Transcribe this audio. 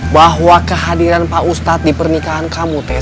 bahwa kehadiran pak ustadz di pernikahan kamu tes